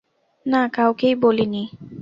না, কাউকেই বলি নি।